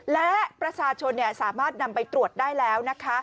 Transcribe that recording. และประชาชนสามารถนำไปตรวจได้แล้วนะคะ